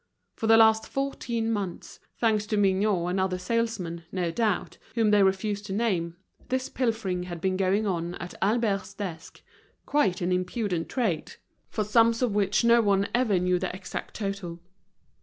For the last fourteen months, thanks to Mignot and other salesmen, no doubt, whom they refused to name, this pilfering had been going on at Albert's desk, quite an impudent trade, for sums of which no one ever knew the exact total.